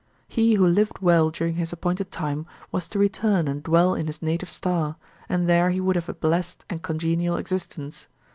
He who lived well during his appointed time was to return and dwell in his native star, and there he would have a blessed and congenial existence.